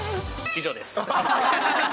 以上です。